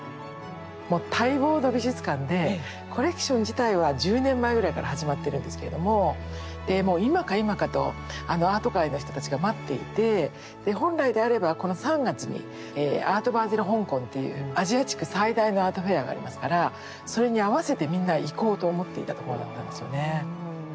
もう待望の美術館でコレクション自体は１０年前ぐらいから始まってるんですけれどもでもう今か今かとアート界の人たちが待っていてで本来であればこの３月に「アート・バーゼル香港」っていうアジア地区最大のアートフェアがありますからそれに合わせてみんな行こうと思っていたところだったんですよね。